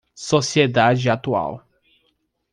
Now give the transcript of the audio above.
Sociedade atual